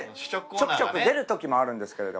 ちょくちょく出るときもあるんですけど。